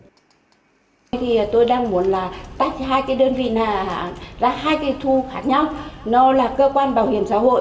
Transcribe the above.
cơ quan thuế là hai cái đơn vị là hai cái thu khác nhau nó là cơ quan bảo hiểm xã hội